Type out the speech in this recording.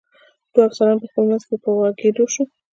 دوه افسران په خپل منځ کې په وږغېدو شول.